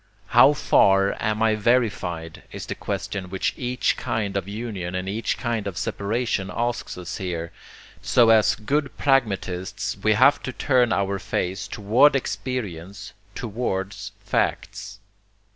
"How far am I verified?" is the question which each kind of union and each kind of separation asks us here, so as good pragmatists we have to turn our face towards experience, towards 'facts.'